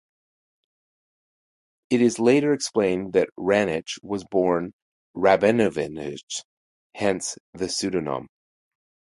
It is later explained that Rainich was born Rabinowitsch, hence the Pseudonym.